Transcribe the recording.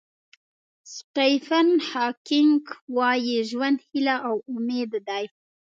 سټیفن هاکینګ وایي ژوند هیله او امید دی.